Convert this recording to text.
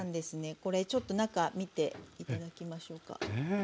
これちょっと中見て頂きましょうか。